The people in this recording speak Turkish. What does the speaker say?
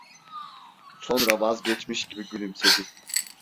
Sonra vazgeçmiş gibi gülümsedi.